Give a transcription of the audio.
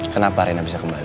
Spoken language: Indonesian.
kenapa rena bisa kembali